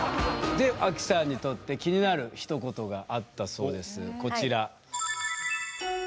でアキさんにとって気になるひと言があったそうですこちら。